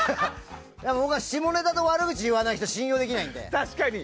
僕は下ネタと悪口を言わない人は信用しないので。